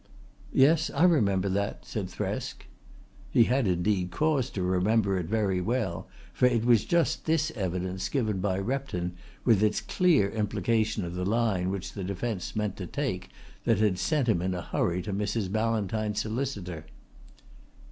"Yes, I remember that," said Thresk. He had indeed cause to remember it very well, for it was just this evidence given by Repton with its clear implication of the line which the defence meant to take that had sent him in a hurry to Mrs. Ballantyne's solicitor.